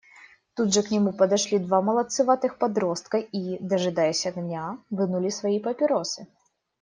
Тут же к нему подошли два молодцеватых подростка и, дожидаясь огня, вынули свои папиросы.